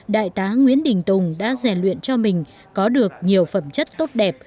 đại tá nguyễn đình tùng đã rèn luyện cho mình có được nhiều phẩm chất tốt đẹp